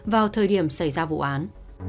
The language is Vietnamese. vào thời điểm xảy ra vụ án